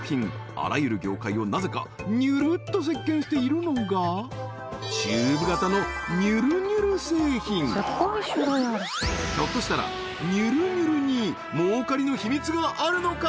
あらゆる業界をなぜかにゅるっと席巻しているのがチューブ型のにゅるにゅる製品ひょっとしたらにゅるにゅるに儲かりのヒミツがあるのか？